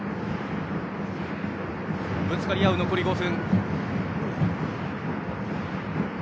ぶつかり合う、残り５分。